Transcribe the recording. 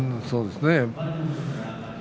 そうですね。